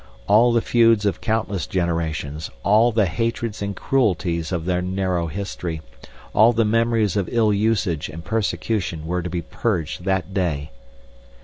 All the feuds of countless generations, all the hatreds and cruelties of their narrow history, all the memories of ill usage and persecution were to be purged that day.